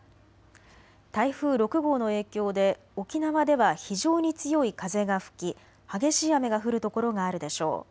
台風６号の影響で沖縄では非常に強い風が吹き激しい雨が降る所があるでしょう。